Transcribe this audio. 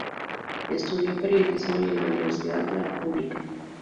Estudió periodismo en la Universidad La República.